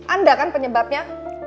anda kan penyebabnya